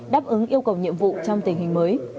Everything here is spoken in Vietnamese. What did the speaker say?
đáp ứng yêu cầu nhiệm vụ trong tình hình mới